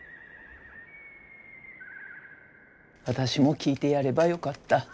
私も聞いてやればよかった。